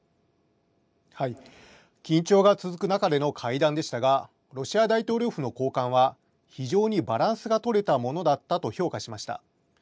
緊張が続く中での会談でしたが、ロシア大統領府の高官は、非常にバランスが取れたものだったと評価しました。